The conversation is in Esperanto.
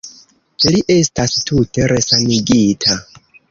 Li estas tute resanigita.